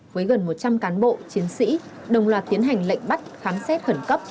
với gần một trăm linh cán bộ chiến sĩ đồng loạt tiến hành lệnh bắt khám xét khẩn cấp